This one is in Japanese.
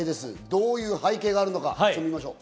どういう背景があるのか見ましょう。